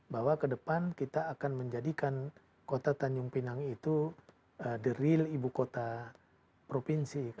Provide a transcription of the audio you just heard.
bahwa ke depan kita akan menjadikan kota tanjung pinang itu the real ibu kota provinsi